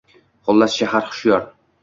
Xullas, shahar hushyor